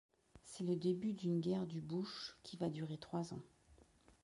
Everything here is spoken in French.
C'est le début d'une guerre du bush qui va durer trois ans.